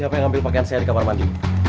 siapa yang ambil pakaian saya di kamar mandi